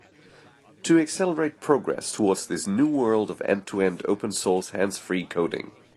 To accelerate progress towards this new world of end-to-end open source hands-free coding.